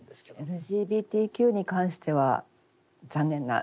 ＬＧＢＴＱに関しては残念な状態ですね。